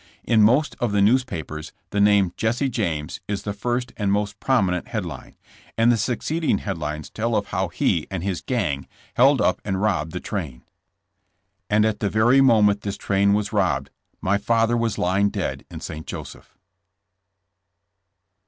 In most of the news papers the name "Jesse James" is the first and most prominent headline, and the succeeding headlines tell of how he and his "gang" held up and robbed the train. And at the very moment this train was robbed my father was lying dead in St. Joseph.